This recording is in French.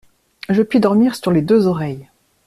Je puis dormir sur les deux oreilles!